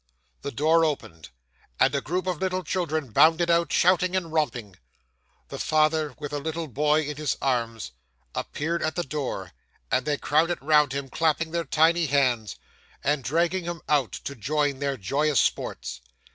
The door opened, and a group of little children bounded out, shouting and romping. The father, with a little boy in his arms, appeared at the door, and they crowded round him, clapping their tiny hands, and dragging him out, to join their joyous sports.